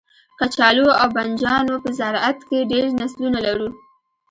کچالو او بنجانو په زرعت کې ډیر نسلونه لرو